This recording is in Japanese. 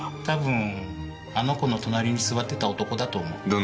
たぶんあの子の隣に座ってた男だと思う。